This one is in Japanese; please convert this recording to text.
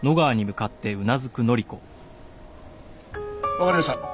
わかりました。